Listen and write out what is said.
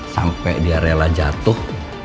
sampai dia rela jatuh